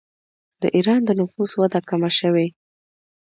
د ایران د نفوس وده کمه شوې.